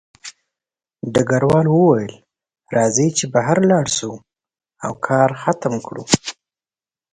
ډګروال وویل راځئ چې بهر لاړ شو او کار ختم کړو